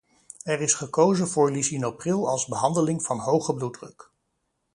Er is gekozen voor lisinopril als behandeling van hoge bloeddruk.